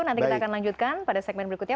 nanti kita akan lanjutkan pada segmen berikutnya